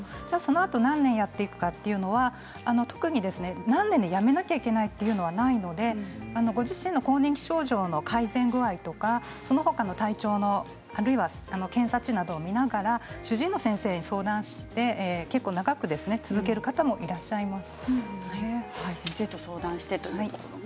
そのあと何年やっていくかというのは特にやめなくてはいけないということはないのでご自身の更年期症状の改善具合とかその他の体調、あるいは検査値などを見ながら主治医の先生に相談して長く続ける方もいらっしゃいます。